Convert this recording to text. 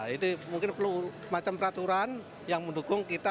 itu mungkin perlu macam peraturan yang mendukung kita